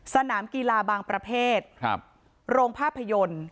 สนามกีฬาบางประเภทโรงภาพยนตร์